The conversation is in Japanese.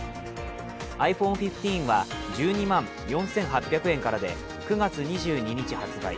ｉＰｈｏｎｅ１５は１２万４８００円からで、９月２２日発売。